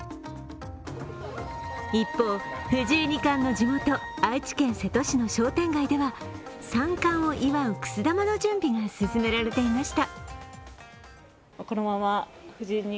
一方、藤井二冠の地元・愛知県瀬戸市の商店街では三冠を祝うくす玉の準備が進められていました。